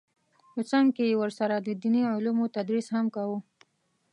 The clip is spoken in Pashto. په څنګ کې یې ورسره د دیني علومو تدریس هم کاوه